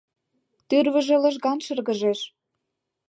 Тӱрвыжӧ лыжган шыргыжеш.